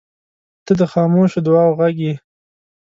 • ته د خاموشو دعاوو غږ یې.